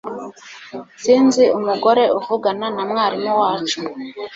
Sinzi umugore uvugana na mwarimu wacu